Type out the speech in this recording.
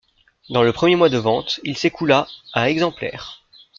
Dans le premier mois de vente, il s'écoula à exemplaires.